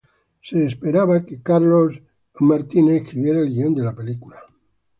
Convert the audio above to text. Se esperaba que Charles Randolph escribiera el guion de la película.